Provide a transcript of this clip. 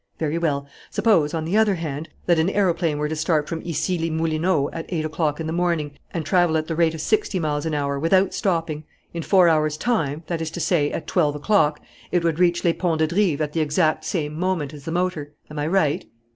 "Very well. Suppose, on the other hand, that an aeroplane were to start from Issy les Moulineaux at eight o'clock in the morning and travel at the rate of sixty miles an hour, without stopping in four hours' time that is to say, at twelve o'clock it would reach Les Ponts de Drive at the exact same moment as the motor. Am I right?"